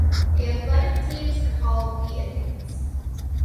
The athletic teams are called the Indians.